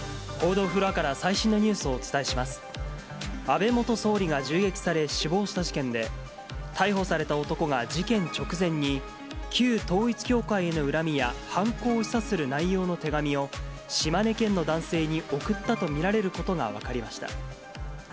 安倍元総理が銃撃され、死亡した事件で、逮捕された男が事件直前に、旧統一教会への恨みや犯行を示唆する内容の手紙を、島根県の男性に送ったと見られることが分かりました。